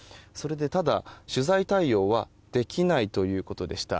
ただ、取材対応はできないということでした。